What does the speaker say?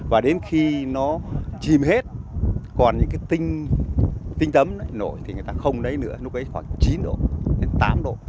và đến khi nó chìm hết còn những cái tinh tấm nổi thì người ta không lấy nữa lúc ấy khoảng chín độ đến tám độ